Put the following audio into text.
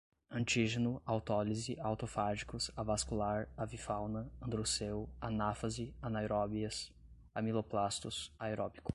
antígeno, autólise, autofágicos, avascular, avifauna, androceu, anáfase, anaeróbias, amiloplastos, aeróbico